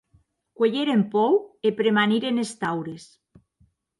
Cuelheren pòur e premaniren es taures.